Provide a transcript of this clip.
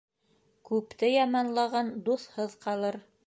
Күпте яманлаған дуҫһыҙ ҡалыр.